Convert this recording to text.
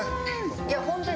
いや本当に。